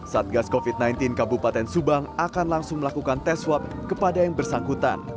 satgas covid sembilan belas kabupaten subang akan langsung melakukan tes swab kepada yang bersangkutan